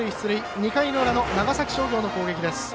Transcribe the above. ２回の裏の長崎商業の攻撃です。